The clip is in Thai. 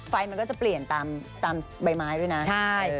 ไฟมันก็จะเปลี่ยนตามใบไม้ด้วยนะประมิสิเตอร์ใช่